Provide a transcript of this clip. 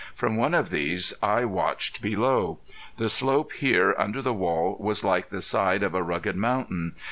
From one of these I watched below. The slope here under the wall was like the side of a rugged mountain.